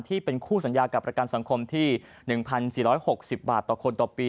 ที่เป็นคู่สัญญากับประกันสังคมที่๑๔๖๐บาทต่อคนต่อปี